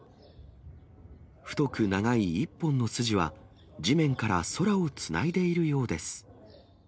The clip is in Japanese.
太く長い一本の筋は、地面から空をつないでいるようです。